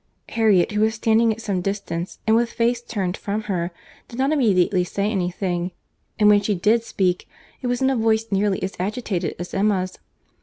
Harriet, who was standing at some distance, and with face turned from her, did not immediately say any thing; and when she did speak, it was in a voice nearly as agitated as Emma's.